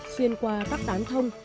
xuyên qua các tán thông